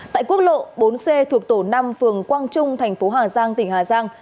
tại quốc lộ bốn c thuộc tổ năm phường quang trung tp hà giang tỉnh hà giang